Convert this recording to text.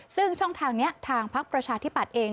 ซึ่งช่องทางนี้ทางพักประชาธิปัตย์เอง